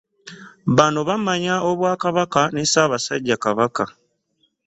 Bano bamanya Obwakabaka ne Ssaabasajja Kabaka